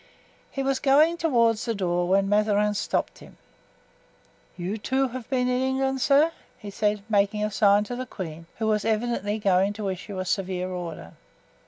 He was going toward the door when Mazarin stopped him. "You, too, have been in England, sir?" he said, making a sign to the queen, who was evidently going to issue a severe order.